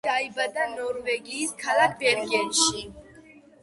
ბული დაიბადა ნორვეგიის ქალაქ ბერგენში.